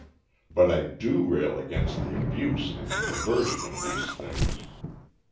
But I do rail against the abuse and perversion of these things.